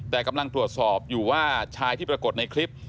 แต่กำลังตรวจสอบอยู่ว่าชายที่ปรากฏในคลิป